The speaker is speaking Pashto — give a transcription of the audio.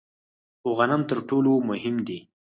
خو غنم تر ټولو مهم دي.